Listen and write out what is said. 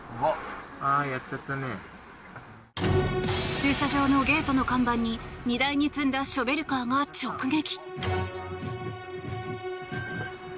駐車場のゲートの看板に荷台に積んだショベルカーが直撃。